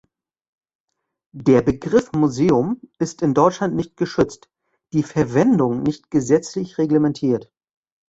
Der Begriff „Museum“ ist in Deutschland nicht geschützt, die Verwendung nicht gesetzlich reglementiert.